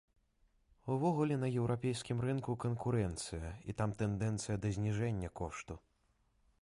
Увогуле на еўрапейскім рынку канкурэнцыя і там тэндэнцыя да зніжэння кошту.